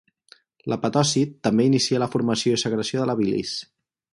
L'hepatòcit també inicia la formació i secreció de la bilis.